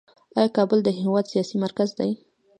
آیا کابل د هیواد سیاسي مرکز دی؟